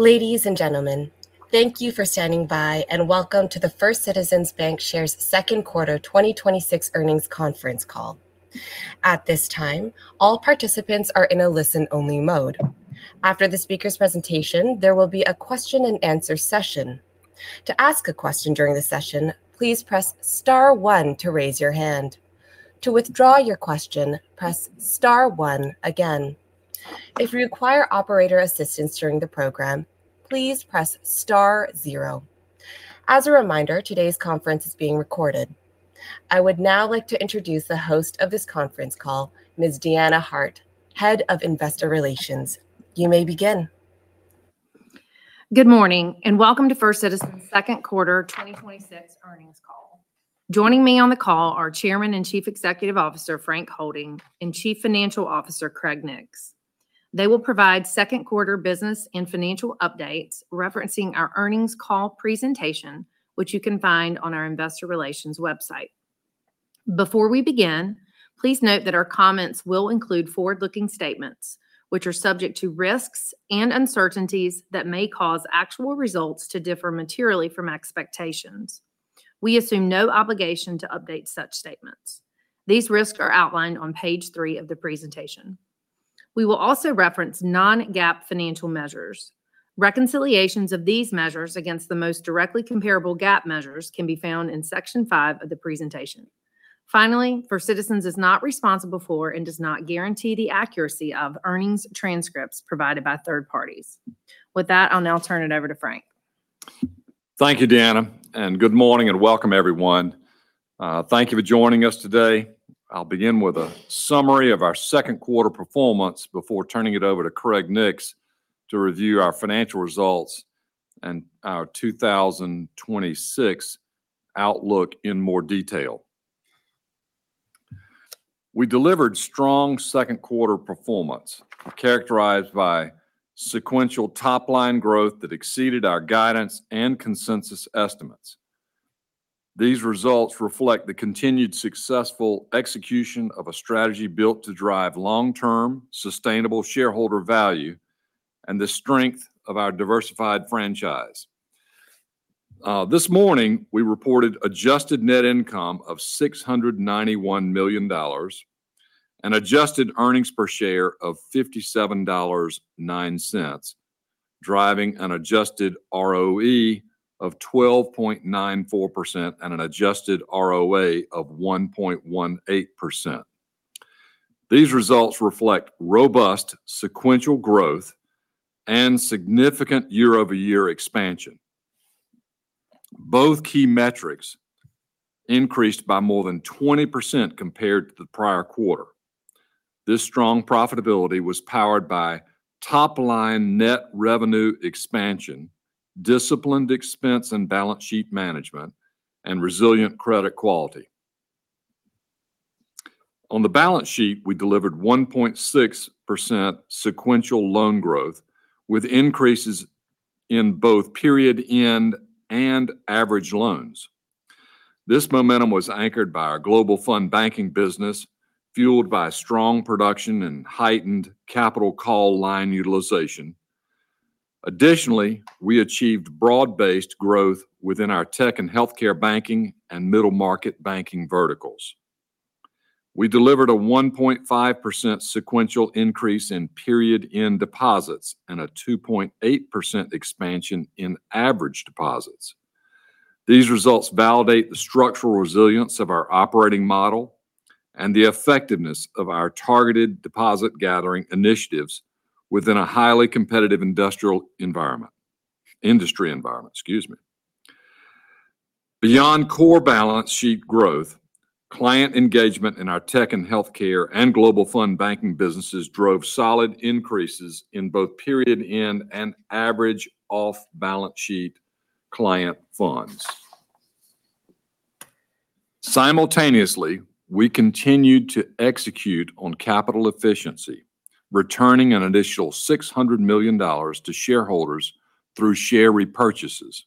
Ladies and gentlemen, thank you for standing by, and welcome to the First Citizens BancShares Second Quarter 2026 Earnings Conference Call. At this time, all participants are in a listen-only mode. After the speaker's presentation, there will be a question and answer session. To ask a question during the session, please press star one to raise your hand. To withdraw your question, press star one again. If you require operator assistance during the program, please press star zero. As a reminder, today's conference is being recorded. I would now like to introduce the host of this conference call, Ms. Deanna Hart, Head of Investor Relations. You may begin. Good morning. Welcome to First Citizens' Second Quarter 2026 Earnings Call. Joining me on the call are Chairman and Chief Executive Officer, Frank Holding, and Chief Financial Officer, Craig Nix. They will provide second quarter business and financial updates referencing our earnings call presentation, which you can find on our investor relations website. Before we begin, please note that our comments will include forward-looking statements, which are subject to risks and uncertainties that may cause actual results to differ materially from expectations. We assume no obligation to update such statements. These risks are outlined on page three of the presentation. We will also reference non-GAAP financial measures. Reconciliations of these measures against the most directly comparable GAAP measures can be found in section five of the presentation. Finally, First Citizens is not responsible for, and does not guarantee the accuracy of, earnings transcripts provided by third parties. With that, I'll now turn it over to Frank. Thank you, Deanna. Good morning, and welcome everyone. Thank you for joining us today. I'll begin with a summary of our second quarter performance before turning it over to Craig Nix to review our financial results and our 2026 outlook in more detail. We delivered strong second quarter performance, characterized by sequential top-line growth that exceeded our guidance and consensus estimates. These results reflect the continued successful execution of a strategy built to drive long-term sustainable shareholder value and the strength of our diversified franchise. This morning, we reported adjusted net income of $691 million and adjusted earnings per share of $57.09, driving an adjusted ROE of 12.94% and an adjusted ROA of 1.18%. These results reflect robust sequential growth and significant year-over-year expansion. Both key metrics increased by more than 20% compared to the prior quarter. This strong profitability was powered by top-line net revenue expansion, disciplined expense and balance sheet management, and resilient credit quality. On the balance sheet, we delivered 1.6% sequential loan growth, with increases in both period end and average loans. This momentum was anchored by our Global Fund Banking business, fueled by strong production and heightened capital call line utilization. Additionally, we achieved broad-based growth within our Tech and Healthcare Banking and Middle Market Banking verticals. We delivered a 1.5% sequential increase in period end deposits and a 2.8% expansion in average deposits. These results validate the structural resilience of our operating model and the effectiveness of our targeted deposit gathering initiatives within a highly competitive industry environment. Beyond core balance sheet growth, client engagement in our Tech and Healthcare and Global Fund Banking businesses drove solid increases in both period end and average off-balance sheet client funds. Simultaneously, we continued to execute on capital efficiency, returning an additional $600 million to shareholders through share repurchases.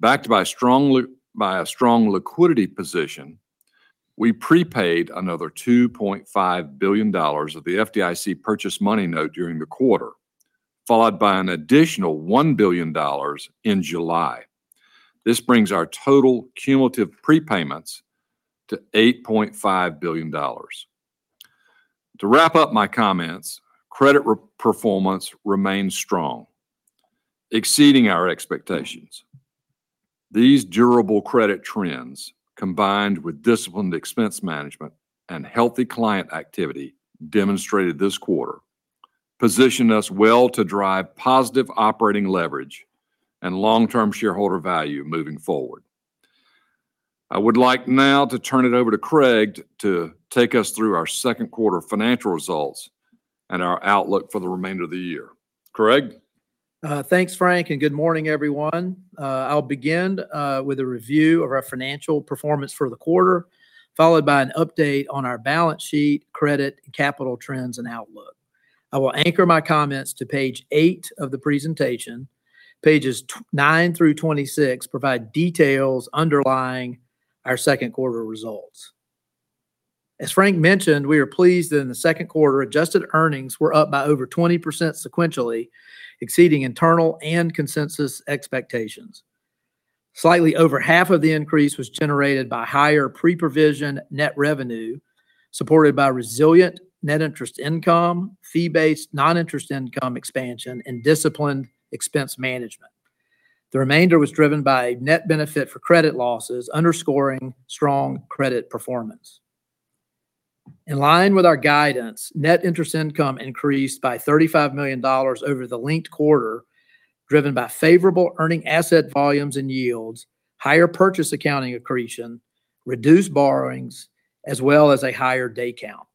Backed by a strong liquidity position, we prepaid another $2.5 billion of the FDIC purchase money note during the quarter, followed by an additional $1 billion in July. This brings our total cumulative prepayments to $8.5 billion. To wrap up my comments, credit performance remains strong, exceeding our expectations. These durable credit trends, combined with disciplined expense management and healthy client activity demonstrated this quarter, position us well to drive positive operating leverage and long-term shareholder value moving forward. I would like now to turn it over to Craig to take us through our second quarter financial results and our outlook for the remainder of the year. Craig? Thanks, Frank, and good morning, everyone. I'll begin with a review of our financial performance for the quarter, followed by an update on our balance sheet, credit, and capital trends and outlook. I will anchor my comments to page eight of the presentation. Pages nine through 26 provide details underlying our second quarter results. As Frank mentioned, we are pleased that in the second quarter, adjusted earnings were up by over 20% sequentially, exceeding internal and consensus expectations. Slightly over half of the increase was generated by higher pre-provision net revenue, supported by resilient net interest income, fee-based non-interest income expansion, and disciplined expense management. The remainder was driven by net benefit for credit losses, underscoring strong credit performance. In line with our guidance, net interest income increased by $35 million over the linked quarter, driven by favorable earning asset volumes and yields, higher purchase accounting accretion, reduced borrowings, as well as a higher day count.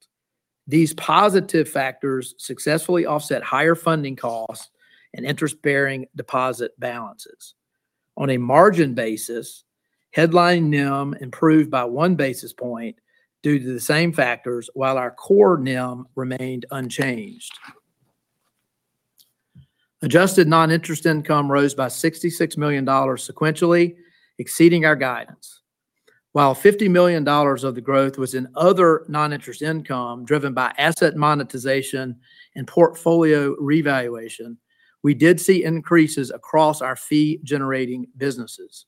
These positive factors successfully offset higher funding costs and interest-bearing deposit balances. On a margin basis, headline NIM improved by one basis point due to the same factors while our core NIM remained unchanged. Adjusted non-interest income rose by $66 million sequentially, exceeding our guidance. While $50 million of the growth was in other non-interest income, driven by asset monetization and portfolio revaluation, we did see increases across our fee-generating businesses.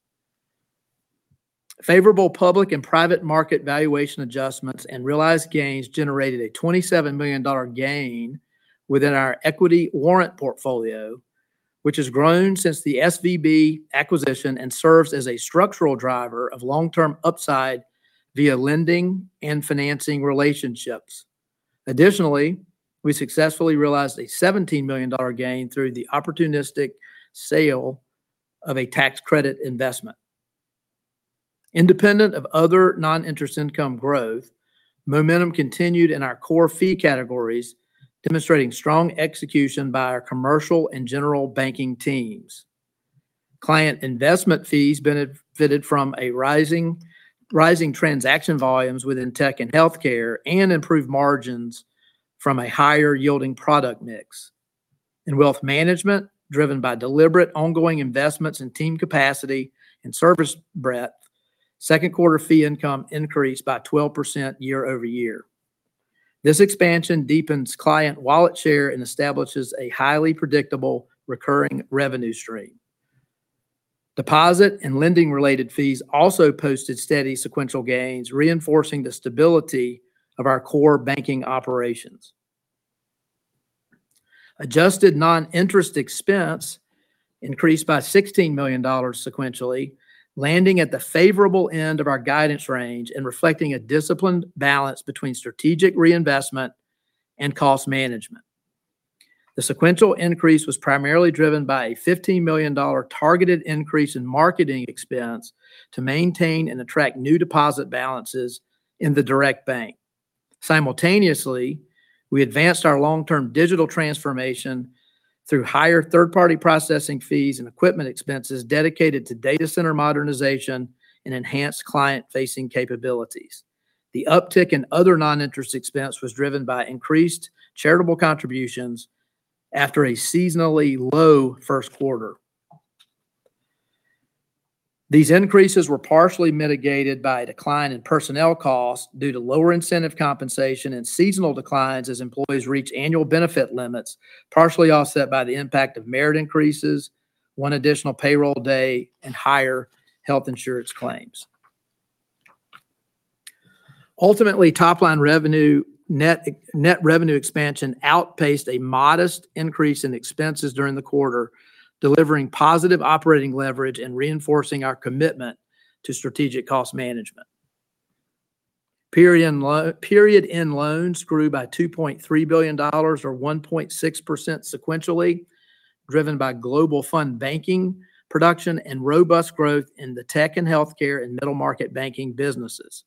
Favorable public and private market valuation adjustments and realized gains generated a $27 million gain within our equity warrant portfolio, which has grown since the SVB acquisition and serves as a structural driver of long-term upside via lending and financing relationships. Additionally, we successfully realized a $17 million gain through the opportunistic sale of a tax credit investment. Independent of other non-interest income growth, momentum continued in our core fee categories, demonstrating strong execution by our commercial and general banking teams. Client investment fees benefited from rising transaction volumes within tech and healthcare, and improved margins from a higher yielding product mix. In wealth management, driven by deliberate ongoing investments in team capacity and service breadth, second quarter fee income increased by 12% year-over-year. This expansion deepens client wallet share and establishes a highly predictable recurring revenue stream. Deposit and lending related fees also posted steady sequential gains, reinforcing the stability of our core banking operations. Adjusted non-interest expense increased by $16 million sequentially, landing at the favorable end of our guidance range and reflecting a disciplined balance between strategic reinvestment and cost management. The sequential increase was primarily driven by a $15 million targeted increase in marketing expense to maintain and attract new deposit balances in the Direct Bank. Simultaneously, we advanced our long-term digital transformation through higher third-party processing fees and equipment expenses dedicated to data center modernization and enhanced client-facing capabilities. The uptick in other non-interest expense was driven by increased charitable contributions after a seasonally low first quarter. These increases were partially mitigated by a decline in personnel costs due to lower incentive compensation and seasonal declines as employees reach annual benefit limits, partially offset by the impact of merit increases, one additional payroll day, and higher health insurance claims. Ultimately, top line net revenue expansion outpaced a modest increase in expenses during the quarter, delivering positive operating leverage and reinforcing our commitment to strategic cost management. Period-end loans grew by $2.3 billion, or 1.6% sequentially, driven by Global Fund Banking production and robust growth in the Tech and Healthcare and Middle Market Banking businesses.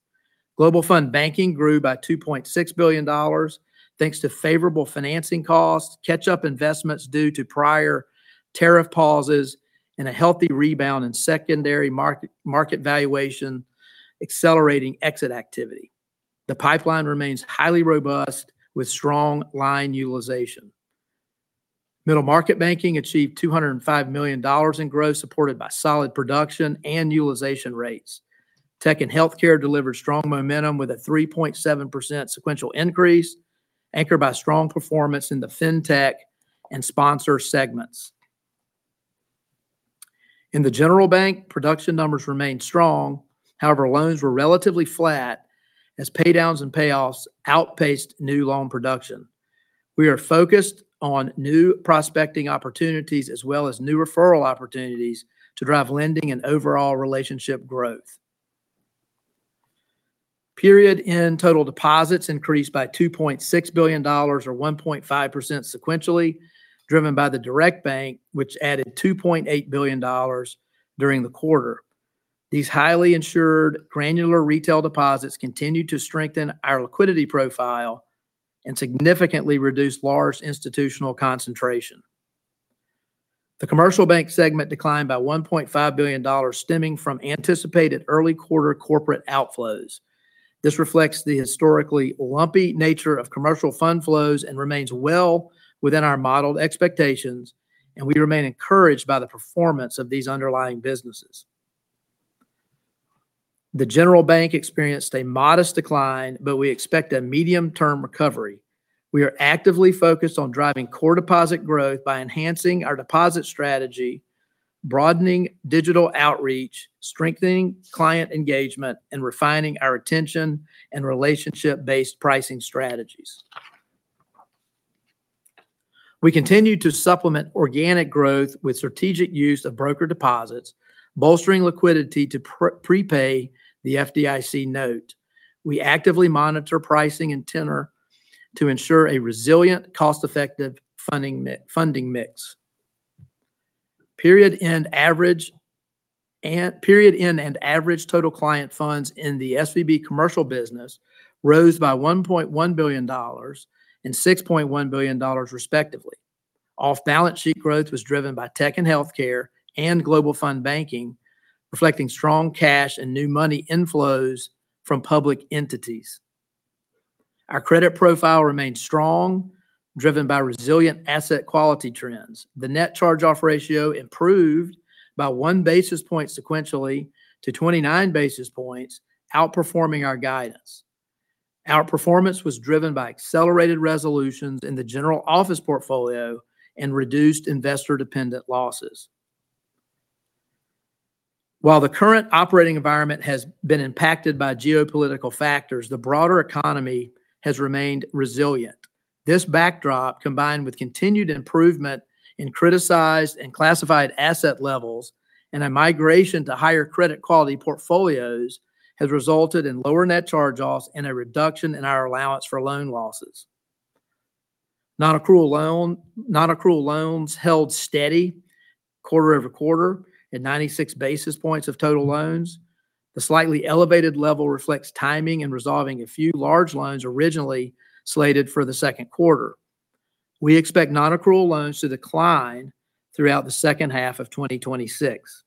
Global Fund Banking grew by $2.6 billion, thanks to favorable financing costs, catch-up investments due to prior tariff pauses, and a healthy rebound in secondary market valuation, accelerating exit activity. The pipeline remains highly robust with strong line utilization. Middle Market Banking achieved $205 million in growth supported by solid production and utilization rates. Tech and Healthcare delivered strong momentum with a 3.7% sequential increase, anchored by strong performance in the fintech and sponsor segments. In the General Bank, production numbers remained strong. However, loans were relatively flat as pay-downs and payoffs outpaced new loan production. We are focused on new prospecting opportunities as well as new referral opportunities to drive lending and overall relationship growth. Period-end total deposits increased by $2.6 billion, or 1.5% sequentially, driven by the Direct Bank, which added $2.8 billion during the quarter. These highly insured, granular retail deposits continue to strengthen our liquidity profile and significantly reduce large institutional concentration. The Commercial Bank segment declined by $1.5 billion, stemming from anticipated early quarter corporate outflows. This reflects the historically lumpy nature of commercial fund flows and remains well within our modeled expectations. We remain encouraged by the performance of these underlying businesses. The general bank experienced a modest decline, but we expect a medium-term recovery. We are actively focused on driving core deposit growth by enhancing our deposit strategy, broadening digital outreach, strengthening client engagement, and refining our attention and relationship-based pricing strategies. We continue to supplement organic growth with strategic use of broker deposits, bolstering liquidity to prepay the FDIC note. We actively monitor pricing and tenor to ensure a resilient, cost-effective funding mix. Period-end and average total client funds in the SVB commercial business rose by $1.1 billion and $6.1 billion respectively. Off-balance sheet growth was driven by Tech and Healthcare and Global Fund Banking, reflecting strong cash and new money inflows from public entities. Our credit profile remains strong, driven by resilient asset quality trends. The net charge-off ratio improved by 1 basis point sequentially to 29 basis points, outperforming our guidance. Our performance was driven by accelerated resolutions in the general office portfolio and reduced investor-dependent losses. While the current operating environment has been impacted by geopolitical factors, the broader economy has remained resilient. This backdrop, combined with continued improvement in criticized and classified asset levels and a migration to higher credit quality portfolios, has resulted in lower net charge-offs and a reduction in our allowance for loan losses. Nonaccrual loans held steady quarter-over-quarter at 96 basis points of total loans. The slightly elevated level reflects timing and resolving a few large loans originally slated for the second quarter. We expect nonaccrual loans to decline throughout the second half of 2026.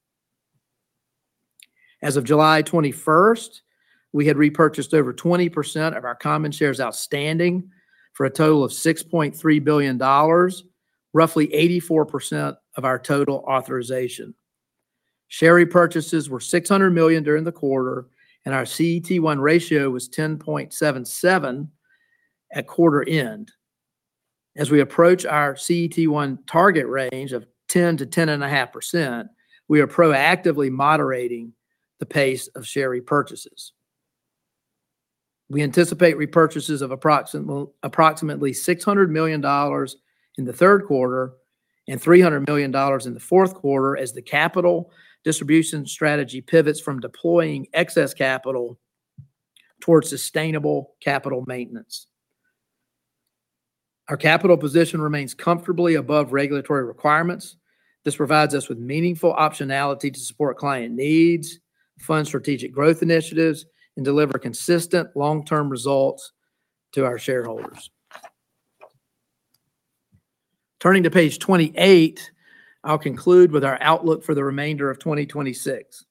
As of July 21st, we had repurchased over 20% of our common shares outstanding for a total of $6.3 billion, roughly 84% of our total authorization. Share repurchases were $600 million during the quarter, and our CET1 ratio was 10.77 at quarter end. As we approach our CET1 target range of 10%-10.5%, we are proactively moderating the pace of share repurchases. We anticipate repurchases of approximately $600 million in the third quarter and $300 million in the fourth quarter as the capital distribution strategy pivots from deploying excess capital towards sustainable capital maintenance. Our capital position remains comfortably above regulatory requirements. This provides us with meaningful optionality to support client needs, fund strategic growth initiatives, and deliver consistent long-term results to our shareholders. Turning to page 28, I will conclude with our outlook for the remainder of 2026.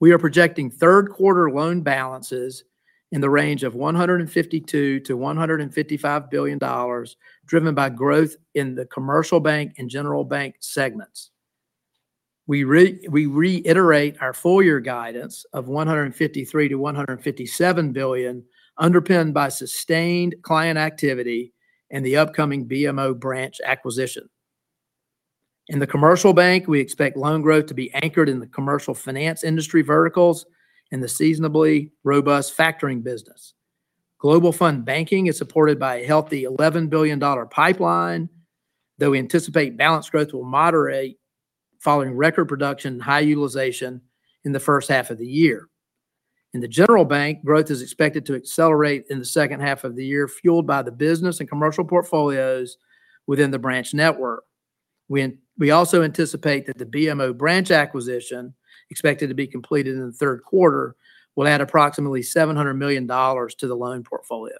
We are projecting third quarter loan balances in the range of $152 billion-$155 billion, driven by growth in the commercial bank and general bank segments. We reiterate our full-year guidance of $153 billion-$157 billion, underpinned by sustained client activity and the upcoming BMO branch acquisition. In the commercial bank, we expect loan growth to be anchored in the commercial finance industry verticals and the seasonably robust factoring business. Global Fund Banking is supported by a healthy $11 billion pipeline, though we anticipate balance growth will moderate following record production and high utilization in the first half of the year. In the general bank, growth is expected to accelerate in the second half of the year, fueled by the business and commercial portfolios within the branch network. We also anticipate that the BMO branch acquisition, expected to be completed in the third quarter, will add approximately $700 million to the loan portfolio.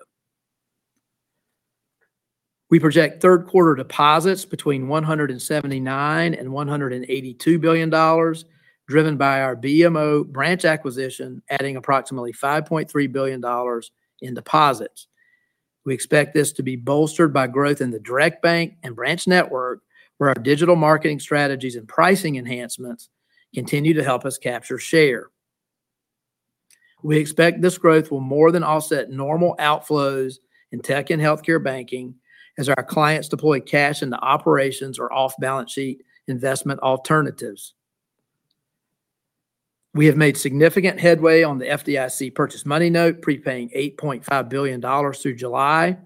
We project third quarter deposits between $179 billion and $182 billion, driven by our BMO branch acquisition, adding approximately $5.3 billion in deposits. We expect this to be bolstered by growth in the Direct Bank and branch network, where our digital marketing strategies and pricing enhancements continue to help us capture share. We expect this growth will more than offset normal outflows in Tech and Healthcare Banking as our clients deploy cash into operations or off-balance sheet investment alternatives. We have made significant headway on the FDIC purchase money note, prepaying $8.5 billion through July.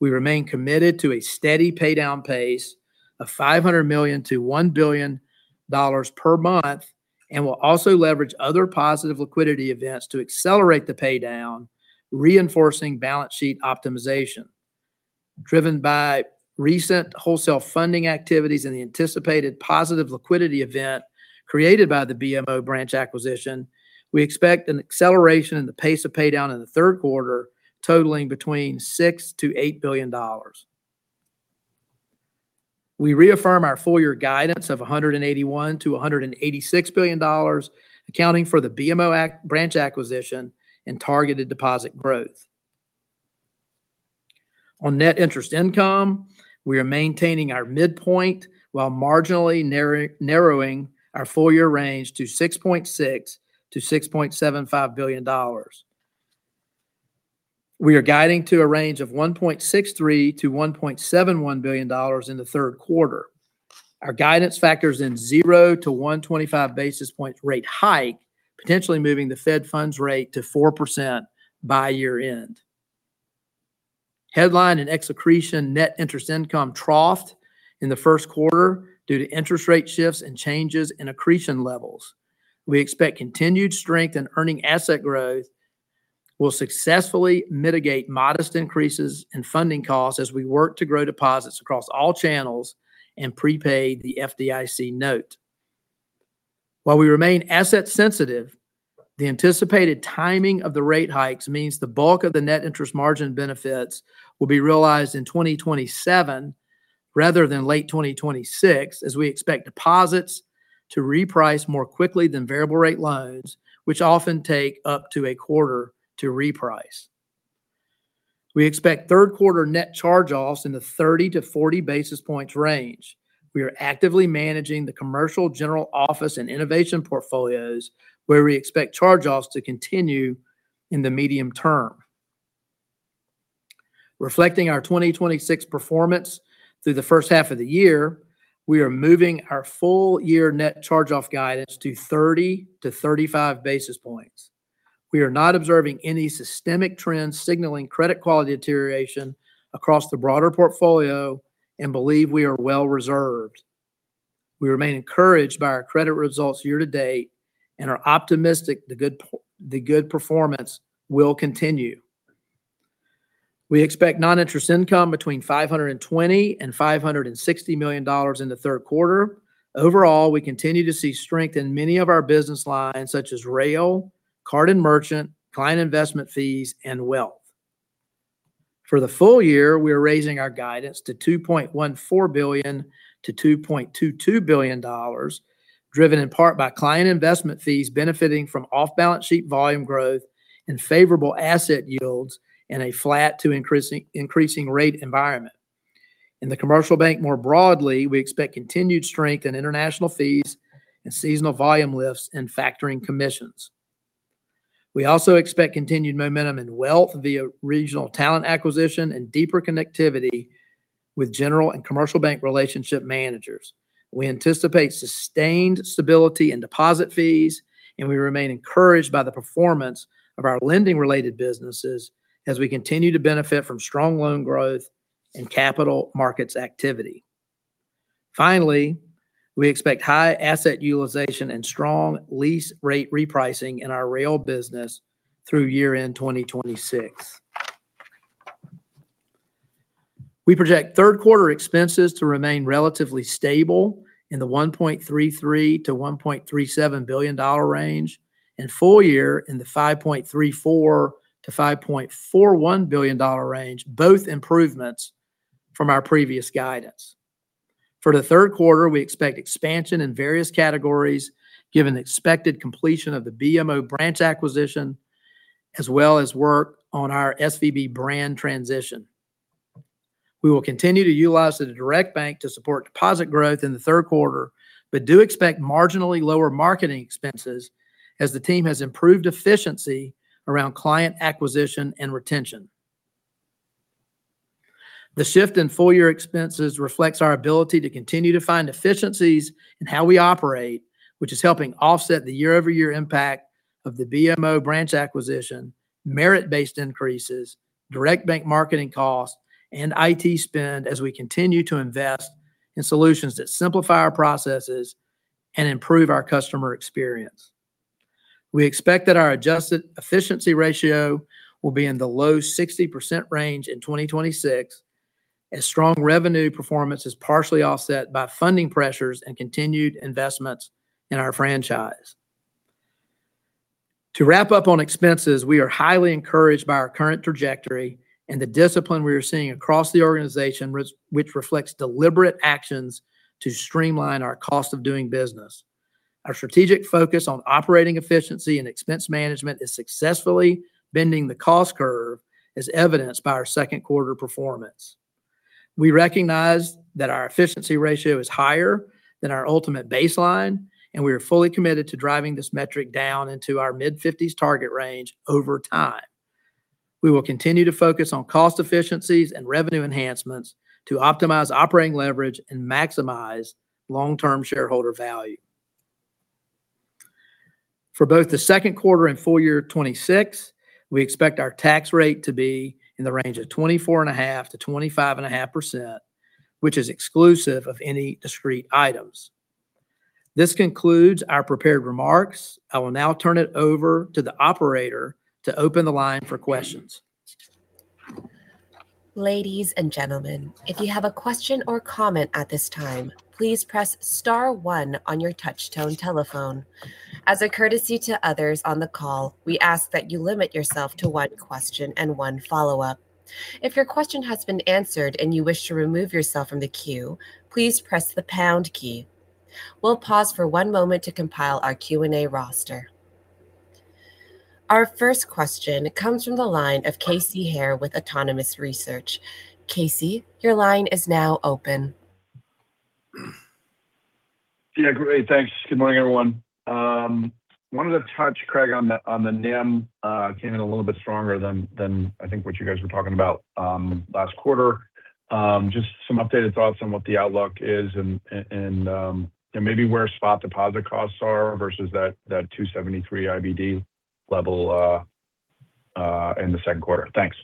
We remain committed to a steady paydown pace of $500 million-$1 billion per month, will also leverage other positive liquidity events to accelerate the paydown, reinforcing balance sheet optimization. Driven by recent wholesale funding activities and the anticipated positive liquidity event created by the BMO branch acquisition, we expect an acceleration in the pace of paydown in the third quarter totaling between $6 billion-$8 billion. We reaffirm our full-year guidance of $181 billion-$186 billion, accounting for the BMO branch acquisition and targeted deposit growth. On Net Interest Income, we are maintaining our midpoint while marginally narrowing our full-year range to $6.6 billion-$6.75 billion. We are guiding to a range of $1.63 billion-$1.71 billion in the third quarter. Our guidance factors in 0-125 basis points rate hike, potentially moving the Fed funds rate to 4% by year end. Headline ex accretion Net Interest Income troughed in the first quarter due to interest rate shifts and changes in accretion levels. We expect continued strength in earning asset growth will successfully mitigate modest increases in funding costs as we work to grow deposits across all channels and prepay the FDIC note. While we remain asset sensitive, the anticipated timing of the rate hikes means the bulk of the Net Interest Margin benefits will be realized in 2027 rather than late 2026, as we expect deposits to reprice more quickly than variable rate loans, which often take up to a quarter to reprice. We expect third quarter Net Charge-Offs in the 30-40 basis points range. We are actively managing the commercial general office and innovation portfolios, where we expect charge-offs to continue in the medium term. Reflecting our 2026 performance through the first half of the year, we are moving our full year Net Charge-Off guidance to 30-35 basis points. We are not observing any systemic trends signaling credit quality deterioration across the broader portfolio and believe we are well reserved. We remain encouraged by our credit results year to date and are optimistic the good performance will continue. We expect Non-Interest Income between $520 million and $560 million in the third quarter. Overall, we continue to see strength in many of our business lines such as rail, card and merchant, client investment fees, and wealth. For the full year, we are raising our guidance to $2.14 billion-$2.22 billion, driven in part by client investment fees benefiting from off-balance sheet volume growth and favorable asset yields in a flat to increasing rate environment. In the commercial bank more broadly, we expect continued strength in international fees and seasonal volume lifts in factoring commissions. We also expect continued momentum in wealth via regional talent acquisition and deeper connectivity with general and commercial bank relationship managers. We anticipate sustained stability in deposit fees, and we remain encouraged by the performance of our lending-related businesses as we continue to benefit from strong loan growth and capital markets activity. Finally, we expect high asset utilization and strong lease rate repricing in our rail business through year end 2026. We project third quarter expenses to remain relatively stable in the $1.33 billion-$1.37 billion range, and full year in the $5.34 billion-$5.41 billion range, both improvements from our previous guidance. For the third quarter, we expect expansion in various categories given the expected completion of the BMO branch acquisition, as well as work on our SVB brand transition. We will continue to utilize the Direct Bank to support deposit growth in the third quarter, but do expect marginally lower marketing expenses as the team has improved efficiency around client acquisition and retention. The shift in full-year expenses reflects our ability to continue to find efficiencies in how we operate, which is helping offset the year-over-year impact of the BMO branch acquisition, merit-based increases, Direct Bank marketing costs, and IT spend as we continue to invest in solutions that simplify our processes and improve our customer experience. We expect that our adjusted efficiency ratio will be in the low 60% range in 2026, as strong revenue performance is partially offset by funding pressures and continued investments in our franchise. To wrap up on expenses, we are highly encouraged by our current trajectory and the discipline we are seeing across the organization, which reflects deliberate actions to streamline our cost of doing business. Our strategic focus on operating efficiency and expense management is successfully bending the cost curve, as evidenced by our second quarter performance. We recognize that our efficiency ratio is higher than our ultimate baseline, and we are fully committed to driving this metric down into our mid-50s target range over time. We will continue to focus on cost efficiencies and revenue enhancements to optimize operating leverage and maximize long-term shareholder value. For both the second quarter and full year 2026, we expect our tax rate to be in the range of 24.5%-25.5%, which is exclusive of any discrete items. This concludes our prepared remarks. I will now turn it over to the operator to open the line for questions. Ladies and gentlemen, if you have a question or comment at this time, please press star one on your touch tone telephone. As a courtesy to others on the call, we ask that you limit yourself to one question and one follow-up. If your question has been answered and you wish to remove yourself from the queue, please press the pound key. We will pause for one moment to compile our Q&A roster. Our first question comes from the line of Casey Haire with Autonomous Research. Casey, your line is now open. Great. Thanks. Good morning, everyone. Wanted to touch, Craig, on the NIM. Came in a little bit stronger than I think what you guys were talking about last quarter. Just some updated thoughts on what the outlook is and maybe where spot deposit costs are versus that 273 IBD level in the second quarter. Thanks.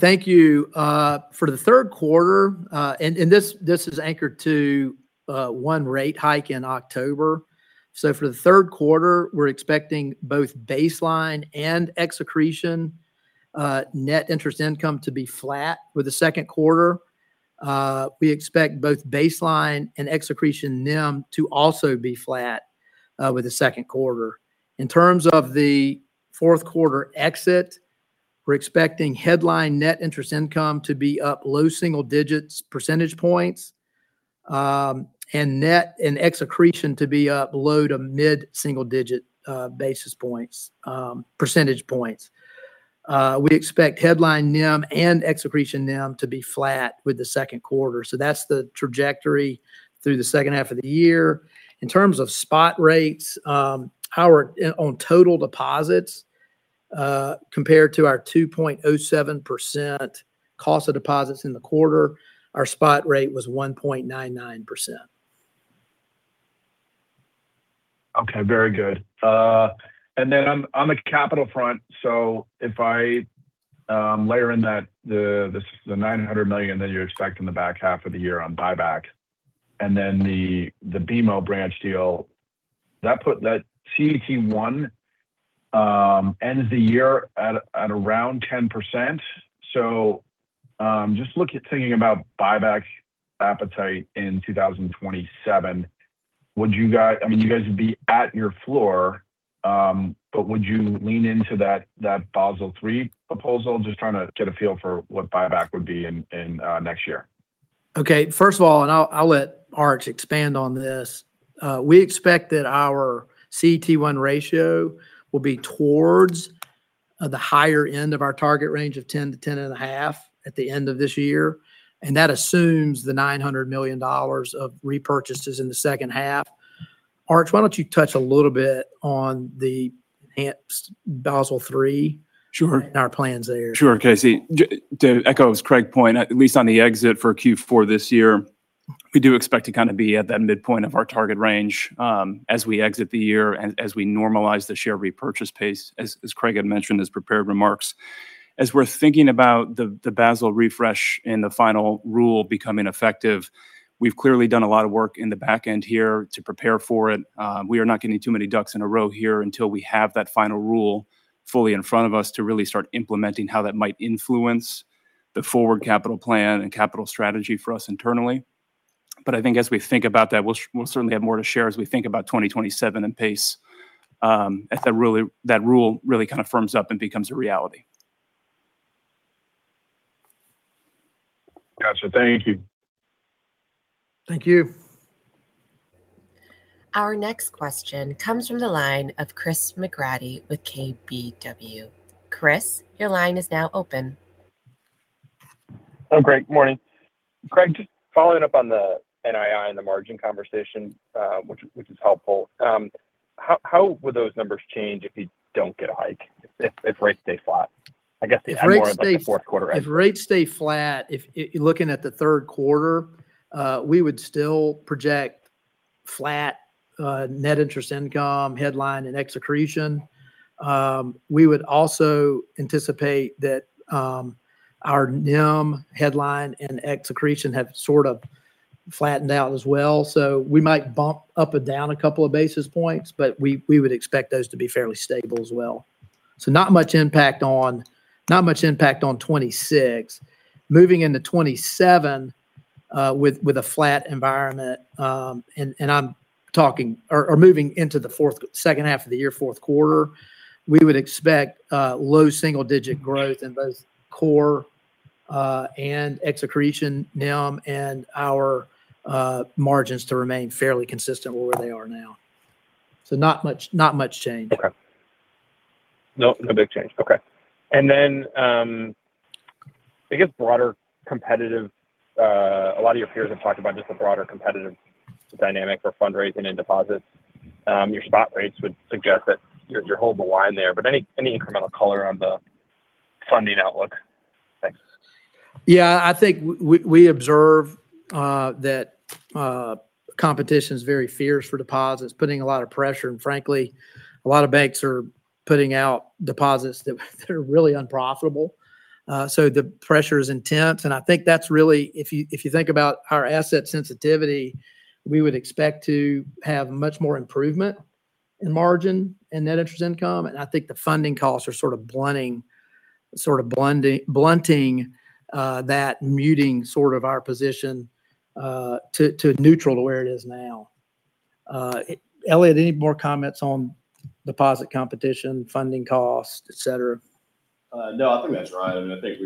Thank you. For the third quarter, and this is anchored to one rate hike in October. For the third quarter, we are expecting both baseline and ex-accretion net interest income to be flat with the second quarter. We expect both baseline and ex-accretion NIM to also be flat with the second quarter. In terms of the fourth quarter exit, we are expecting headline net interest income to be up low single digits percentage points, and ex-accretion to be up low to mid single digit percentage points. We expect headline NIM and ex-accretion NIM to be flat with the second quarter. That is the trajectory through the second half of the year. In terms of spot rates on total deposits compared to our 2.07% cost of deposits in the quarter, our spot rate was 1.99%. Very good. Then on the capital front, if I layer in the $900 million that you expect in the back half of the year on buyback, and then the BMO branch deal, that CET1 ends the year at around 10%. Just thinking about buyback appetite in 2027. You guys would be at your floor, but would you lean into that Basel III proposal? Just trying to get a feel for what buyback would be in next year. Okay. First of all, I'll let Arch expand on this. We expect that our CET1 ratio will be towards the higher end of our target range of 10%-10.5% at the end of this year, and that assumes the $900 million of repurchases in the second half. Arch, why don't you touch a little bit on the enhanced Basel III. Sure Our plans there. Sure, Casey. To echo Craig's point, at least on the exit for Q4 this year, we do expect to be at that midpoint of our target range as we exit the year and as we normalize the share repurchase pace, as Craig had mentioned his prepared remarks. As we're thinking about the Basel refresh and the final rule becoming effective, we've clearly done a lot of work in the back end here to prepare for it. We are not getting too many ducks in a row here until we have that final rule fully in front of us to really start implementing how that might influence the forward capital plan and capital strategy for us internally. I think as we think about that, we'll certainly have more to share as we think about 2027 and pace as that rule really firms up and becomes a reality. Got you. Thank you. Thank you. Our next question comes from the line of Chris McGratty with KBW. Chris, your line is now open. Great. Morning. Craig, just following up on the NII and the margin conversation, which is helpful. How would those numbers change if you don't get a hike? If rates stay flat? I guess more like the fourth quarter. If rates stay flat, if you're looking at the third quarter, we would still project flat net interest income headline and ex-accretion. We would also anticipate that our NIM headline and ex-accretion have sort of flattened out as well. We might bump up and down a couple of basis points, but we would expect those to be fairly stable as well. Not much impact on 2026. Moving into 2027, with a flat environment, or moving into the second half of the year, fourth quarter, we would expect low single digit growth in both core and ex-accretion NIM and our margins to remain fairly consistent with where they are now. Not much change. Okay. No big change. Okay. I guess a lot of your peers have talked about just the broader competitive dynamic for fundraising and deposits. Your spot rates would suggest that you're holding the line there. Any incremental color on the funding outlook? Thanks. I think we observe that competition's very fierce for deposits, putting a lot of pressure. Frankly, a lot of banks are putting out deposits that are really unprofitable. The pressure is intense. I think if you think about our asset sensitivity, we would expect to have much more improvement in margin and net interest income. I think the funding costs are sort of blunting that, muting our position to neutral to where it is now. Elliot, any more comments on deposit competition, funding cost, et cetera? I think that's right. I think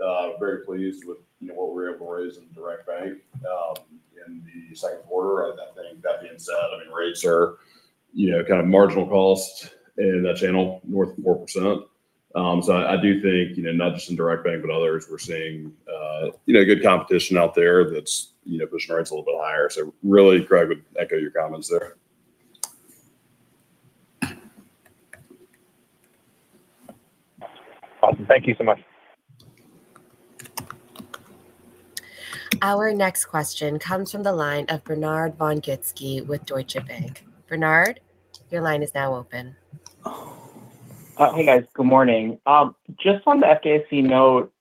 we're very pleased with what we're able to raise in Direct Bank in the second quarter. That being said, rates are kind of marginal cost in that channel, north of 4%. I do think, not just in Direct Bank, but others, we're seeing good competition out there that's pushing rates a little bit higher. Really, Craig, would echo your comments there. Awesome. Thank you so much. Our next question comes from the line of Bernard von Gizycki with Deutsche Bank. Bernard, your line is now open. Hey, guys. Good morning. Just on the FDIC note,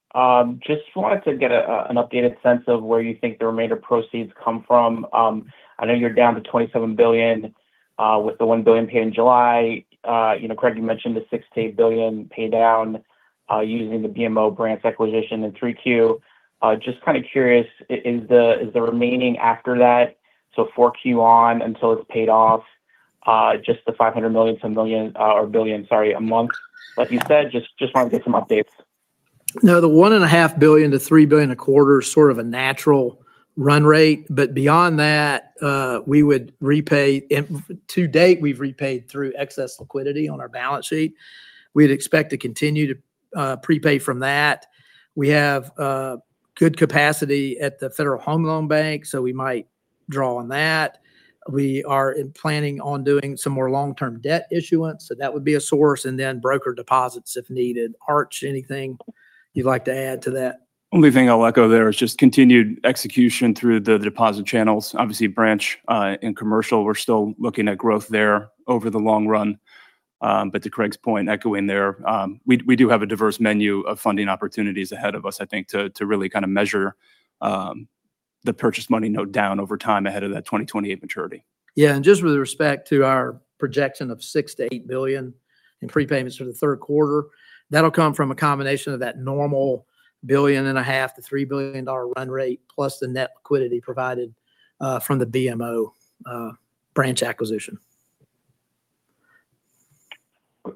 just wanted to get an updated sense of where you think the remainder proceeds come from. I know you're down to $27 billion with the $1 billion paid in July. Craig, you mentioned the $6 billion-$8 billion paydown using the BMO branch acquisition in 3Q. Just kind of curious, is the remaining after that, so 4Q on until it's paid off, just the $500 million-$1 billion a month like you said? Just wanted to get some updates. No, the $1.5 billion-$3 billion a quarter is sort of a natural run rate. Beyond that, to date, we've repaid through excess liquidity on our balance sheet. We'd expect to continue to prepay from that. We have good capacity at the Federal Home Loan Bank, we might draw on that. We are planning on doing some more long-term debt issuance, that would be a source. Broker deposits if needed. Arch, anything you'd like to add to that? Only thing I'll echo there is just continued execution through the deposit channels. Obviously branch and commercial, we're still looking at growth there over the long run. To Craig's point, echoing there, we do have a diverse menu of funding opportunities ahead of us, I think, to really kind of measure the purchase money note down over time ahead of that 2028 maturity. Yeah. Just with respect to our projection of $6 billion-$8 billion in prepayments for the third quarter, that'll come from a combination of that normal $1.5 billion-$3 billion run rate plus the net liquidity provided from the BMO branch acquisition.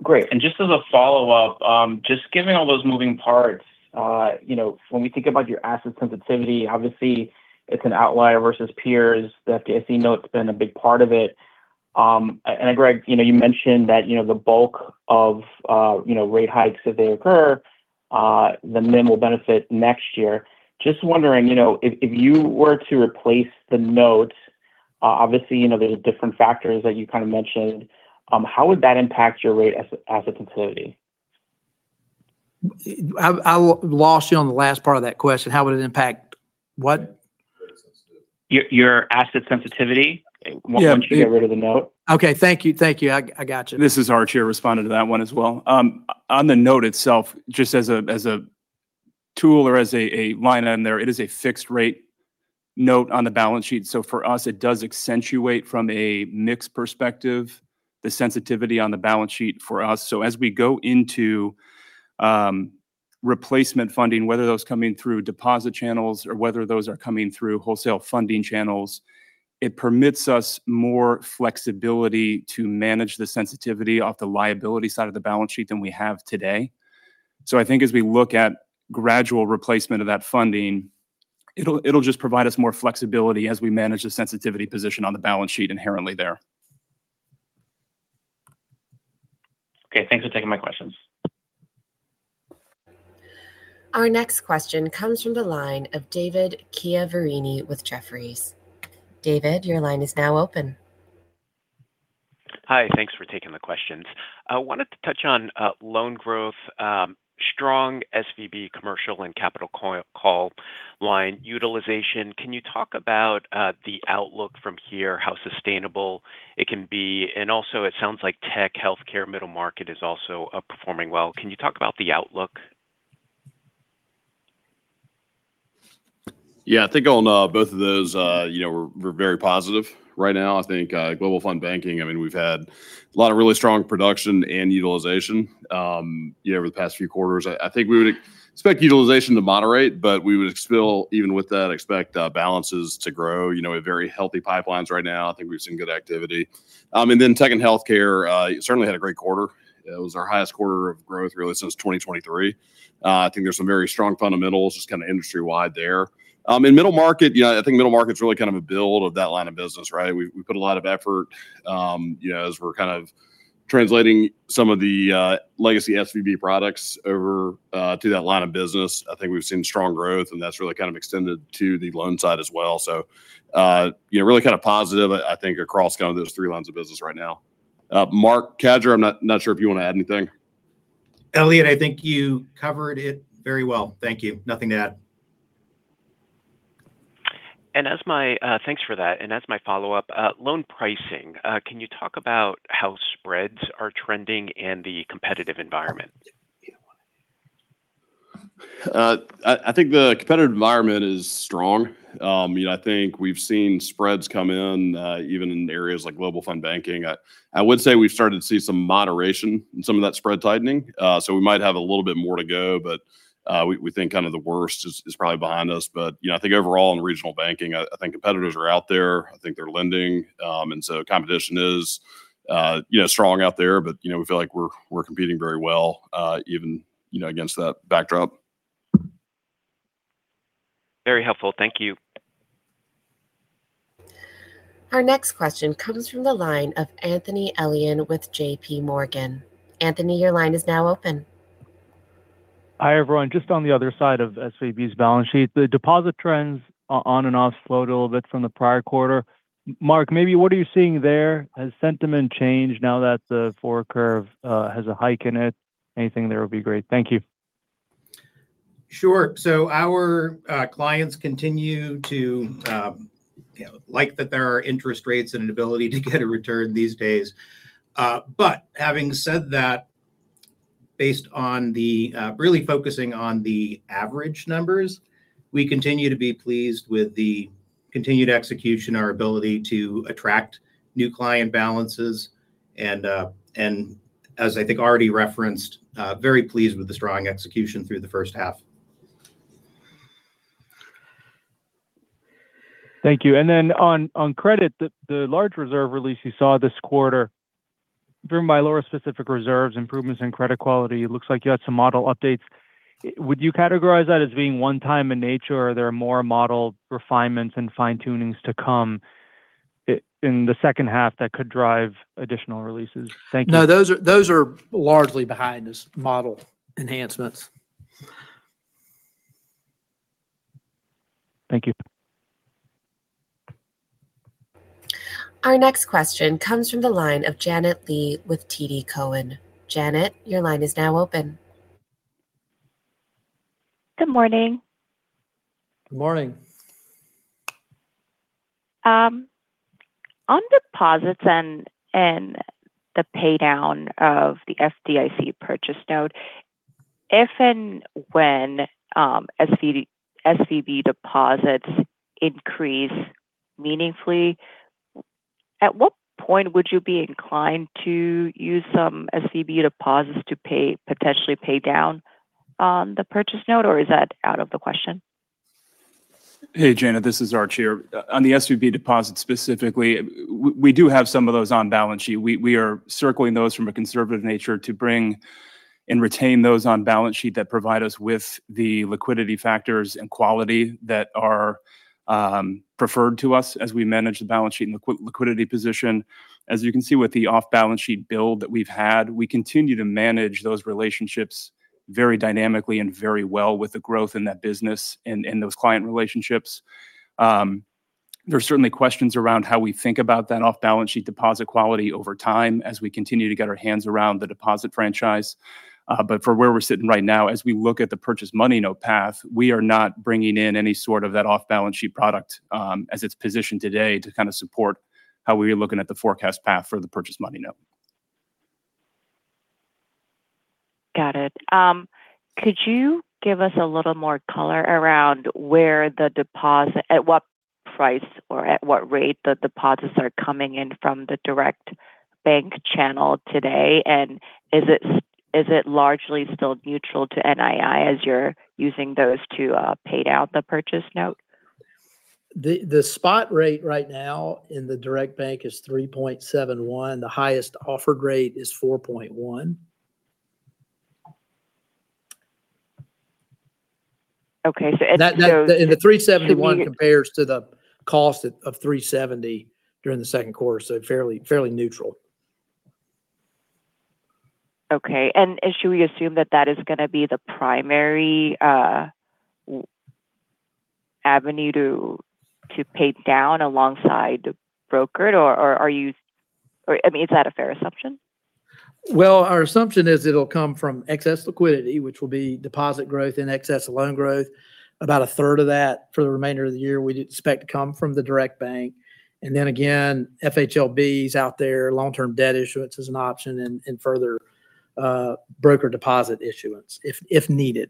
Great. Just as a follow-up, just given all those moving parts, when we think about your asset sensitivity, obviously it's an outlier versus peers. The FDIC note's been a big part of it. Craig, you mentioned that the bulk of rate hikes, if they occur, the NIM will benefit next year. Wondering, if you were to replace the note, obviously, there's different factors that you kind of mentioned, how would that impact your rate asset sensitivity? I lost you on the last part of that question. How would it impact what? Asset sensitivity. Your asset sensitivity once you get rid of the note. Okay. Thank you. I got you. This is Arch here responding to that one as well. On the note itself, just as a tool or as a line item there, it is a fixed rate note on the balance sheet. For us, it does accentuate from a mix perspective, the sensitivity on the balance sheet for us. As we go into replacement funding, whether that's coming through deposit channels or whether those are coming through wholesale funding channels, it permits us more flexibility to manage the sensitivity off the liability side of the balance sheet than we have today. I think as we look at gradual replacement of that funding, it'll just provide us more flexibility as we manage the sensitivity position on the balance sheet inherently there. Okay. Thanks for taking my questions. Our next question comes from the line of David Chiaverini with Jefferies. David, your line is now open. Hi. Thanks for taking the questions. I wanted to touch on loan growth, strong SVB commercial and capital call line utilization. Can you talk about the outlook from here, how sustainable it can be? Also it sounds like Tech and Healthcare, middle market is also performing well. Can you talk about the outlook? I think on both of those, we're very positive right now. I think Global Fund Banking, we've had a lot of really strong production and utilization over the past few quarters. I think we would expect utilization to moderate, but we would still, even with that, expect balances to grow. We have very healthy pipelines right now. I think we've seen good activity. Then Tech and Healthcare certainly had a great quarter. It was our highest quarter of growth really since 2023. I think there's some very strong fundamentals just kind of industry wide there. In middle market, I think middle market's really kind of a build of that line of business, right? We put a lot of effort as we're kind of translating some of the legacy SVB products over to that line of business. I think we've seen strong growth, and that's really kind of extended to the loan side as well. Really kind of positive I think across kind of those three lines of business right now. Marc Cadieux, I'm not sure if you want to add anything. Elliot, I think you covered it very well. Thank you. Nothing to add. Thanks for that. As my follow-up, loan pricing, can you talk about how spreads are trending in the competitive environment? I think the competitive environment is strong. I think we've seen spreads come in even in areas like Global Fund Banking. I would say we've started to see some moderation in some of that spread tightening. We might have a little bit more to go, but we think kind of the worst is probably behind us. I think overall in regional banking, I think competitors are out there. I think they're lending. Competition is strong out there. We feel like we're competing very well even against that backdrop Very helpful. Thank you. Our next question comes from the line of Anthony Elian with JPMorgan. Anthony, your line is now open. Hi, everyone. Just on the other side of SVB's balance sheet, the deposit trends on and off slowed a little bit from the prior quarter. Marc, maybe what are you seeing there? Has sentiment changed now that the forward curve has a hike in it? Anything there would be great. Thank you. Sure. Our clients continue to like that there are interest rates and an ability to get a return these days. Having said that, based on really focusing on the average numbers, we continue to be pleased with the continued execution, our ability to attract new client balances, and as I think already referenced, very pleased with the strong execution through the first half. Thank you. On credit, the large reserve release you saw this quarter, driven by lower specific reserves, improvements in credit quality. It looks like you had some model updates. Would you categorize that as being one-time in nature, or are there more model refinements and fine-tunings to come in the second half that could drive additional releases? Thank you. No, those are largely behind as model enhancements. Thank you. Our next question comes from the line of Janet Lee with TD Cowen. Janet, your line is now open. Good morning. Good morning. On deposits and the paydown of the FDIC purchase note, if and when SVB deposits increase meaningfully, at what point would you be inclined to use some SVB deposits to potentially pay down on the purchase note, or is that out of the question? Hey, Janet. This is Arch here. On the SVB deposit specifically, we do have some of those on balance sheet. We are circling those from a conservative nature to bring and retain those on balance sheet that provide us with the liquidity factors and quality that are preferred to us as we manage the balance sheet and the liquidity position. As you can see with the off-balance sheet build that we've had, we continue to manage those relationships very dynamically and very well with the growth in that business and in those client relationships. There's certainly questions around how we think about that off-balance sheet deposit quality over time as we continue to get our hands around the deposit franchise. For where we're sitting right now, as we look at the purchase money note path, we are not bringing in any sort of that off-balance sheet product, as it's positioned today to kind of support how we were looking at the forecast path for the purchase money note. Got it. Could you give us a little more color around where the deposit, at what price or at what rate the deposits are coming in from the Direct Bank channel today, and is it largely still neutral to NII as you're using those to pay down the purchase note? The spot rate right now in the Direct Bank is 3.71. The highest offer grade is 4.1. Okay. The 3.71 compares to the cost of 3.70 during the second quarter, so fairly neutral. Okay. Should we assume that that is going to be the primary avenue to pay down alongside the brokered, or are you I mean, is that a fair assumption? Well, our assumption is it'll come from excess liquidity, which will be deposit growth and excess loan growth. About a third of that for the remainder of the year we expect to come from the Direct Bank. Then again, FHLB is out there, long-term debt issuance is an option, and further broker deposit issuance if needed.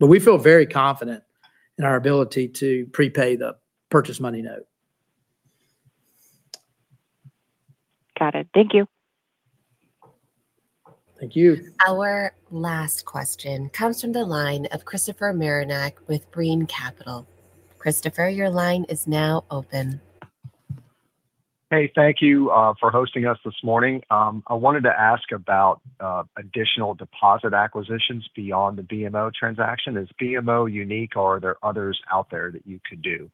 We feel very confident in our ability to prepay the purchase money note. Got it. Thank you. Thank you. Our last question comes from the line of Christopher Marinac with Brean Capital. Christopher, your line is now open. Hey, thank you for hosting us this morning. I wanted to ask about additional deposit acquisitions beyond the BMO transaction. Is BMO unique, or are there others out there that you could do?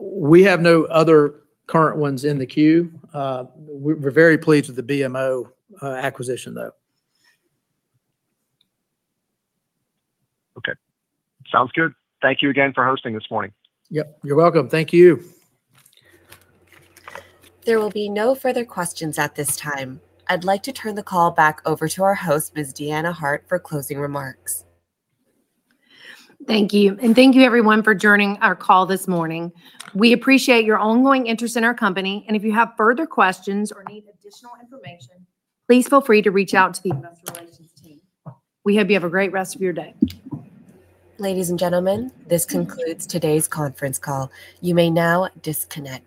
We have no other current ones in the queue. We're very pleased with the BMO acquisition, though. Okay. Sounds good. Thank you again for hosting this morning. Yep. You're welcome. Thank you. There will be no further questions at this time. I'd like to turn the call back over to our host, Ms. Deanna Hart, for closing remarks. Thank you. Thank you everyone for joining our call this morning. We appreciate your ongoing interest in our company. If you have further questions or need additional information, please feel free to reach out to the investor relations team. We hope you have a great rest of your day. Ladies and gentlemen, this concludes today's conference call. You may now disconnect.